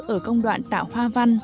ở công đoạn tạo hoa văn